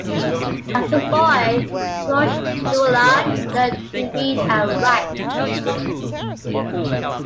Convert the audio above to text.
As a boy, George Drouillard learned to read and write.